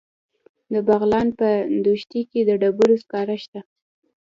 د بغلان په دوشي کې د ډبرو سکاره شته.